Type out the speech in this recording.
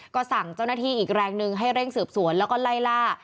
ก็สั่งเจ้าหน้าที่อีกแรงหนึ่งให้เร่งสืบสวนแล้วก็ไล่ล่า